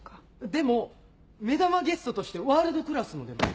でも目玉ゲストとして「ワールドクラス」も出ます。